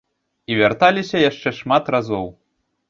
І вярталіся яшчэ шмат разоў.